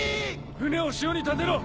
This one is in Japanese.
船を潮に立てろ！